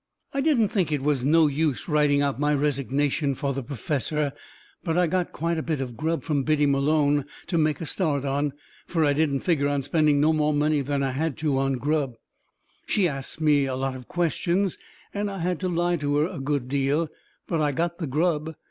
I didn't think it was no use writing out my resignation fur the perfessor. But I got quite a bit of grub from Biddy Malone to make a start on, fur I didn't figger on spending no more money than I had to on grub. She asts me a lot of questions, and I had to lie to her a good deal, but I got the grub.